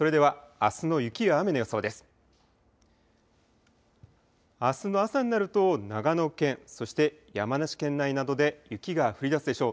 あすの朝になると長野県そして山梨県内などで雪が降りだすでしょう。